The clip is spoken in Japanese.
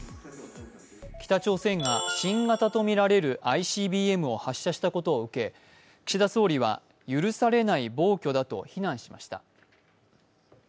北朝鮮が新型と見られるＩＣＢＭを発射したことを受けて岸田総理は許されない暴挙だと非難しました。